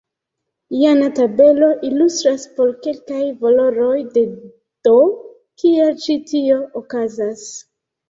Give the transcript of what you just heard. Jena tabelo ilustras, por kelkaj valoroj de "d", kiel ĉi tio okazas.